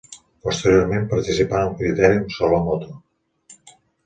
Posteriorment participà en el Critèrium Solo Moto.